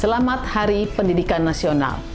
selamat hari pendidikan nasional